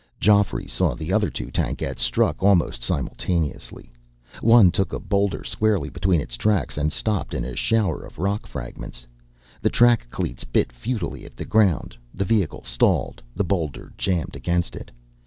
Geoffrey saw the other two tankettes struck almost simultaneously. One took a boulder squarely between its tracks, and stopped in a shower of rock fragments. The track cleats bit futilely at the ground. The vehicle stalled, the boulder jammed against it.